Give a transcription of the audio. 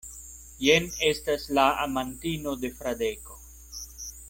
Jen estas la amantino de Fradeko.